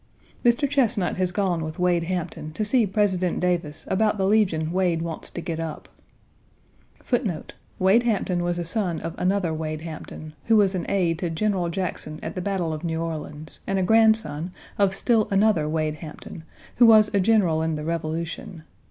Mr. Chesnut has gone with Wade Hampton 1 to see President Davis about the legion Wade wants to get up. 1. Wade Hampton was a son of another Wade Hampton, who was an aide to General Jackson at the battle of New Orleans, and a grandson of still another Wade Hampton, who was a general in the Revolution.